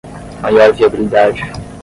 Maior viabilidade